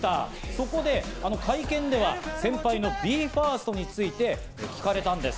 そこで会見では、先輩のＢＥ：ＦＩＲＳＴについて聞かれたんです。